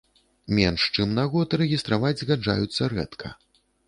Менш чым на год рэгістраваць згаджаюцца рэдка.